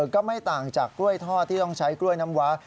ก็ไม่ต่างจากกล้วยทอดที่ต้องใช้กล้วยน้ำว้า